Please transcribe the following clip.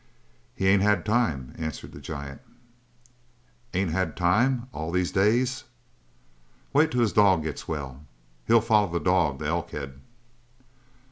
"He ain't had time," answered the giant. "Ain't had time? All these days?" "Wait till the dog gets well. He'll follow the dog to Elkhead."